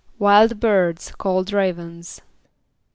=Wild birds called ravens.